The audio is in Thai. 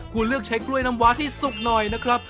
คุณเลือกใช้กล้วยน้ำว้าที่สุกหน่อยนะครับ